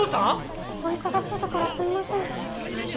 お忙しいところすいません。